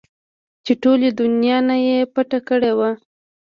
چې ټولې دونيا نه يې پټه کړې وه.